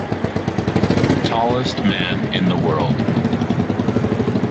Tallest man in the world.